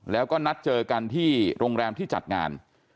แล้วก็นัดเจอกันที่โรงแรมที่จัดงาน